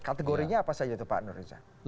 kategorinya apa saja itu pak nur riza